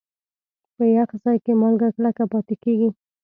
په یخ ځای کې مالګه کلکه پاتې کېږي.